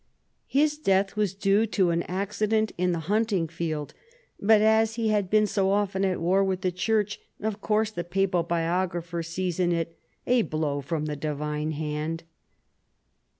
Ilis death was due to an accident in the hunting field, but as he had been so often at war with the Church, of course the papal biographer sees in it " a blow from the Divine hand."